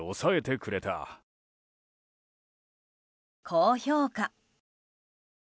高評価。